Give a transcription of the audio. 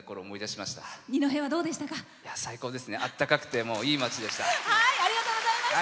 あったかくていい町でした。